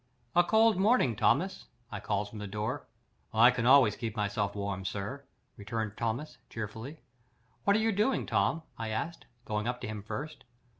"A cold morning, Thomas," I called from the door. "I can always keep myself warm, sir," returned Thomas, cheerfully. "What are you doing, Tom?" I said, going up to him first.